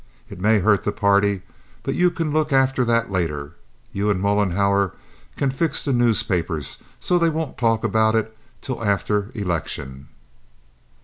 It may hurt the party, but you can look after that later. You and Mollenhauer can fix the newspapers so they won't talk about it till after election."